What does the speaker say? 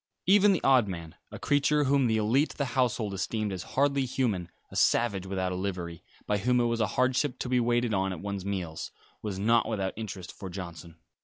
Even the odd man, a creature whom the élite of the household esteemed as hardly human a savage without a livery, by whom it was a hardship to be waited on at one's meals was not without interest for Johnson.